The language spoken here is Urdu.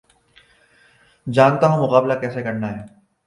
جانتا ہوں مقابلہ کیسے کرنا ہے